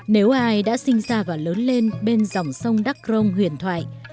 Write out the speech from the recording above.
nếu ai đã sinh ra và lớn lên bên dòng sông đắk rông huyền thoại